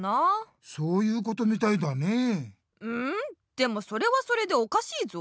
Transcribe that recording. でもそれはそれでおかしいぞ。